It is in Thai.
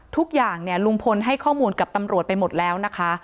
ทุกอย่างเนี่ยลุงพลให้ข้อมูลกับตำรวจไปหมดแล้วนะคะ